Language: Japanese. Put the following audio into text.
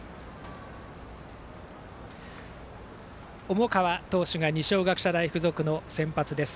重川投手が二松学舎大付属の先発です。